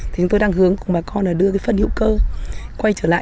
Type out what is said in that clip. thì chúng tôi đang hướng cùng bà con là đưa cái phân hữu cơ quay trở lại